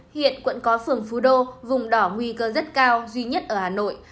hiện quận có phường phú đô vùng đỏ nguy cơ rất cao duy nhất ở hà nội